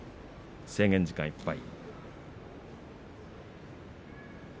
制限時間いっぱい。